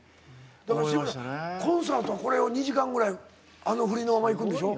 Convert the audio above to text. コンサートこれを２時間ぐらいあの振りのままいくんでしょ？